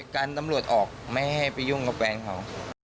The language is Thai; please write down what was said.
การตำรวจออกไม่ให้ไปยุ่งกับแฟนเขา